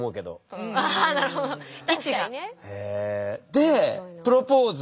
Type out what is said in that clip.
でプロポーズ